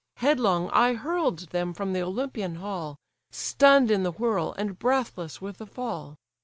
Headlong I hurl'd them from the Olympian hall, Stunn'd in the whirl, and breathless with the fall.